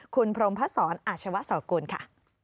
คุณพรมพศรอาชวะสอกุลค่ะ